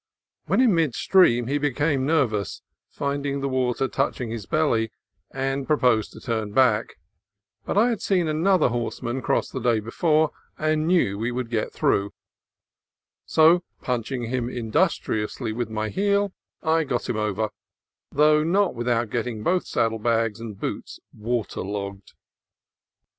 When in mid stream he became ner vous, finding the water touching his belly, and pro posed to turn back; but I had seen another horse man cross the day before, and knew we could get through; so, punching him industriously with my heel, I got him over, though not without getting both saddle bags and boots water logged.